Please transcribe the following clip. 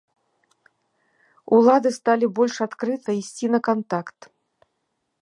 Улады сталі больш адкрыта ісці на кантакт.